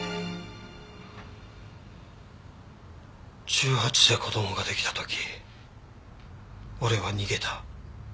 １８で子供が出来た時俺は逃げた。